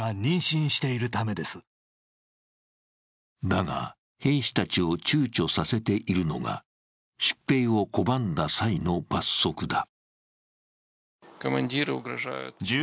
だが、兵士たちをちゅうちょさせているのが出兵を拒んだ際の罰則だ。